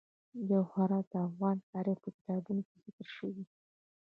جواهرات د افغان تاریخ په کتابونو کې ذکر شوی دي.